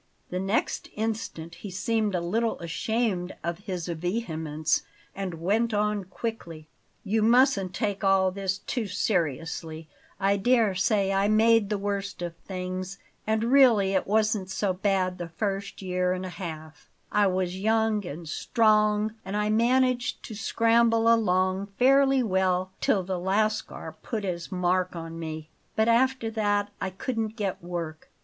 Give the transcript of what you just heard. The next instant he seemed a little ashamed of his vehemence, and went on quickly: "You mustn't take all this too seriously; I dare say I made the worst of things, and really it wasn't so bad the first year and a half; I was young and strong and I managed to scramble along fairly well till the Lascar put his mark on me. But after that I couldn't get work.